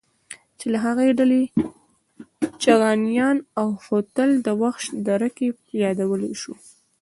چې له هغې ډلې چغانيان او خوتل د وخش دره کې يادولی شو.